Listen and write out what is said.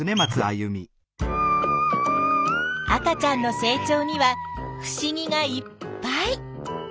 赤ちゃんの成長にはふしぎがいっぱい。